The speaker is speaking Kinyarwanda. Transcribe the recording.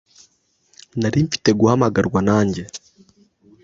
Nari mfite guhamagarwa, nanjye.